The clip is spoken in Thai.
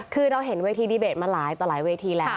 คือเราเห็นเวทีดีเบตมาหลายต่อหลายเวทีแล้ว